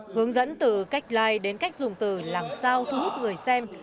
hướng dẫn từ cách live đến cách dùng từ làm sao thu hút người xem